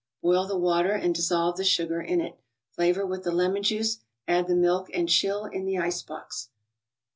Boil the water and dissolve the sugar in it; flavor with the lemon juice; add the milk and chill in the ice box.